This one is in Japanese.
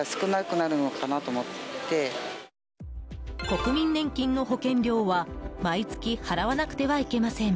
国民年金の保険料は毎月払わなくてはいけません。